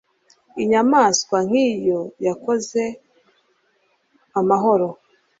inyamaswa nkiyo yakoze amahoro